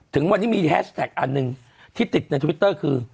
ถึงวันนี้มีแฮชแท็กอันหนึ่งที่ติดในทวิตเตอร์คือ